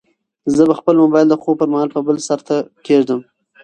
زه به خپل موبایل د خوب پر مهال په بل سرته کېږدم.